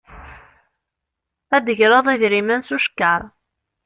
Ad d-tegreḍ idrimen s ucekkaṛ.